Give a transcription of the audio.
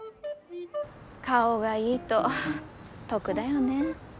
顔がいいと得だよね。